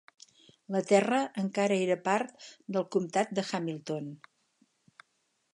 La terra encara era part del comtat de Hamilton.